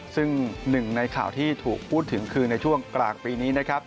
ซึ่งหนึ่งในข่าวที่ถูกพูดถึงคือในช่วงกลางปีนี้นะครับ